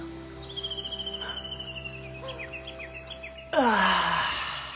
ああ。